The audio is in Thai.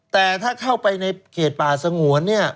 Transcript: แต่ถ้าเข้าไปในเขตป่าสงวนเนี่ย